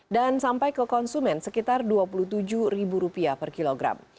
dan sampai ke konsumen sekitar rp dua puluh tujuh per kilogram